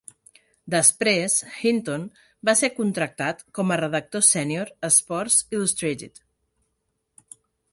Després, Hinton va ser contractat com a redactor sènior a "Sports Illustrated".